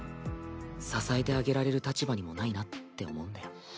支えてあげられる立場にもないなって思うんだよ。